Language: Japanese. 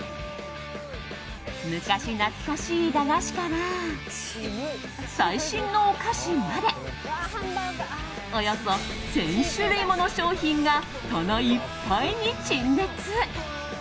昔懐かしい駄菓子から最新のお菓子までおよそ１０００種類もの商品が棚いっぱいに陳列。